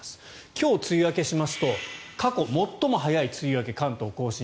今日、梅雨明けしますと過去最も早い梅雨明け関東・甲信。